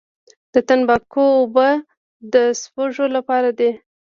د تنباکو اوبه د سپږو لپاره دي؟